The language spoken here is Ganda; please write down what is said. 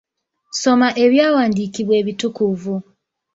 Soma ebyawandiikibwa ebitukuvu